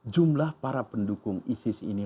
jumlah para pendukung isis ini